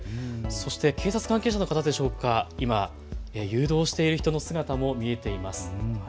そして警察関係者の方でしょうか、今、誘導している人の姿も見えています。